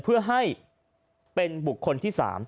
เพื่อให้เป็นบุคคลที่๓